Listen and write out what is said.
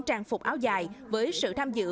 trang phục áo dài với sự tham dự